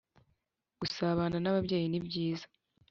gusabanan’ababyeyi ni byiza